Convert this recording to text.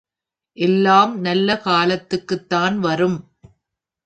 எல்லாம் நல்ல காலத்துக்குத் தான் வரும்!